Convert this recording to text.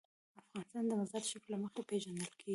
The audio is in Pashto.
افغانستان د مزارشریف له مخې پېژندل کېږي.